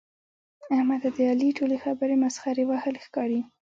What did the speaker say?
احمد ته د علي ټولې خبرې مسخرې وهل ښکاري.